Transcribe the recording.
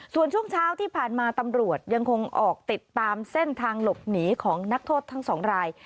ส่วนช่วงเช้าที่ผ่านมาตำรวจยังคงออกติดตามเส้นทางหลบหนีของนักโทษทั้งสองราย